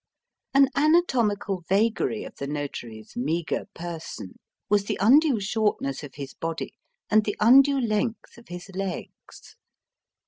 An anatomical vagary of the Notary's meagre person was the undue shortness of his body and the undue length of his legs.